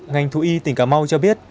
ngành thủ y tỉnh cà mau cho biết